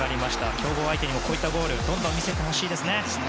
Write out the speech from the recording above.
強豪相手にもこういったゴールをどんどん見せてほしいですね。